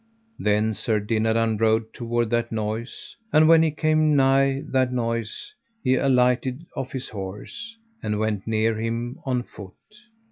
Then Sir Dinadan rode toward that noise; and when he came nigh that noise he alighted off his horse, and went near him on foot.